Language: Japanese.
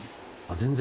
全然？